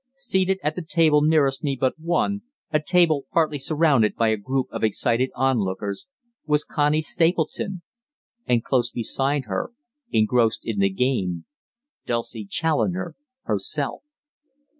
Seated at the table nearest me but one, a table partly surrounded by a group of excited onlookers, was Connie Stapleton. And close beside her, engrossed in the game, Dulcie Challoner herself!